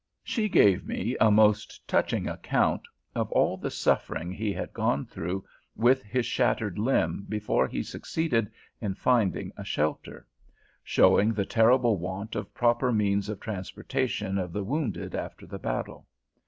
She gave me a most touching account of all the suffering he had gone through with his shattered limb before he succeeded in finding a shelter; showing the terrible want of proper means of transportation of the wounded after the battle.